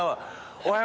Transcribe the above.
おはよう。